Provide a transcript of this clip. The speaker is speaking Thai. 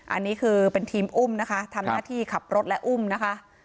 อันนี้คือเป็นทีมอุ้มนะคะทำหน้าที่ขับรถและอุ้มนะคะ